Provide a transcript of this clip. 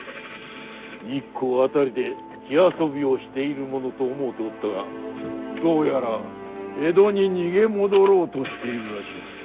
日光辺りで火遊びをしているものと思うておったがどうやら江戸に逃げ戻ろうとしているらしい。